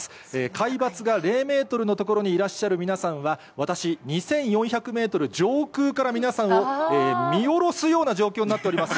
海抜が０メートルの所にいらっしゃる皆さんは、私、２４００メートル上空から皆さんを見下ろすような状況になっております。